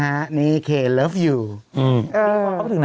มันเหมือนอ่ะ